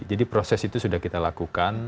jadi proses itu sudah kita lakukan